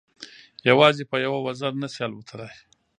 یوازې په یوه وزر نه شي الوتلای.